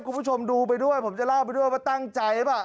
คุณผู้ชมดูไปด้วยผมจะเล่าไปด้วยว่าตั้งใจหรือเปล่า